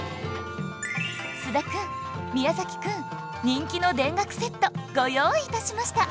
菅田くん宮くん人気の田楽セットご用意致しました